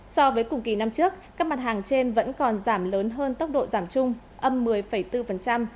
so với cùng kỳ năm trước các mặt hàng trên vẫn còn giảm lớn hơn tốc độ giảm chung âm một mươi bốn